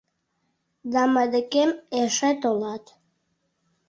Да мый декем эше толат.